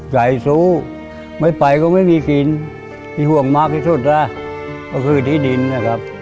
ใจสู้ไม่ไปก็ไม่มีกินที่ห่วงมากที่สุดนะก็คือที่ดินนะครับ